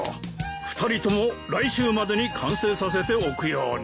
２人とも来週までに完成させておくように。